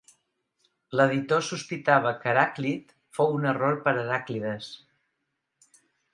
L'editor sospitava que Heràclit fou un error per Heràclides.